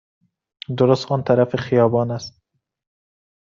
درست آن طرف خیابان است.